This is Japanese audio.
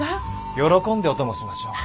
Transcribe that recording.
喜んでお供しましょう。